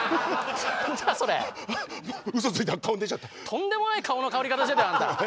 とんでもない顔の変わり方してたよあんた。